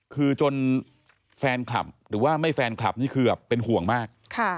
คือจนแฟนคลับหรือว่าไม่แฟนคลับนี่คือแบบเป็นห่วงมาก